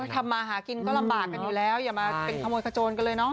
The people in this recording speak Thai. ทำมาหากินก็ลำบากกันอยู่แล้วอย่ามาเป็นขโมยขโจนกันเลยเนาะ